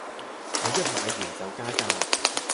你一買完就加價